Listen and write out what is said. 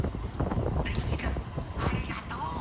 利吉君ありがとう！